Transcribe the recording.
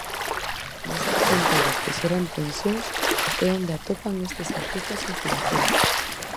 Nesas fronteiras que xeran tensións é onde atopan estes artistas inspiración.